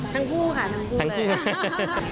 ทั้งคู่ค่ะทั้งคู่เลย